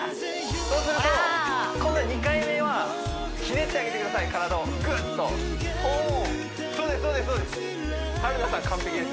そうすると今度は２回目はひねってあげてください体をぐっとこうそうです